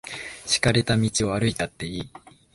敷かれた道を歩いたっていい。